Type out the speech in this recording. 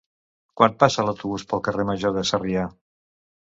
Quan passa l'autobús pel carrer Major de Sarrià?